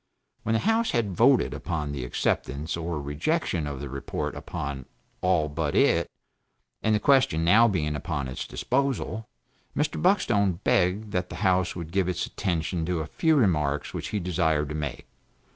When the House had voted upon the acceptance or rejection of the report upon all but it, and the question now being upon its disposal Mr. Buckstone begged that the House would give its attention to a few remarks which he desired to make.